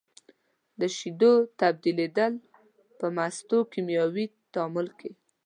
د شیدو تبدیلیدل په مستو کیمیاوي تعامل دی.